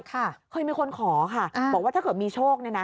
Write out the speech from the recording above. เคยมีคนขอค่ะบอกว่าถ้าเกิดมีโชคเนี่ยนะ